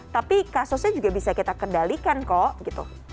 tapi kasusnya juga bisa kita kendalikan kok gitu